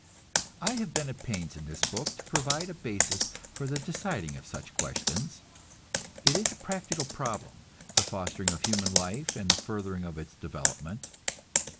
I have been at pains in this book to provide a basis for the deciding of such questions. It is a practical problem, the fostering of human life and the furthering of its development.